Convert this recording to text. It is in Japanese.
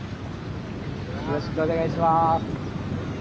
・よろしくお願いします。